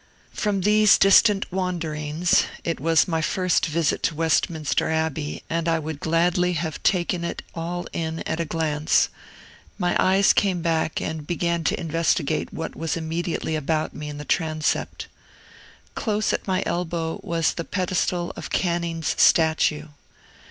From these distant wanderings (it was my first visit to Westminster Abbey, and I would gladly have taken it all in at a glance) my eyes came back and began to investigate what was immediately about me in the transept. Close at my elbow was the pedestal of Canning's statue.